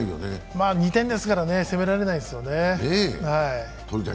まあ２点ですからね、責められないですよね。